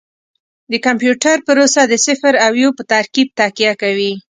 د کمپیوټر پروسه د صفر او یو په ترکیب تکیه کوي.